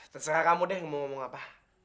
terserah kamu deh yang mau ngomong apa